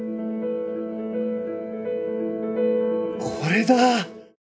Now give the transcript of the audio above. これだ！